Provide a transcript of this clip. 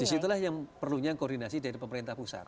disitulah yang perlunya koordinasi dari pemerintah pusat